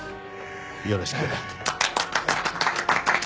よろしく。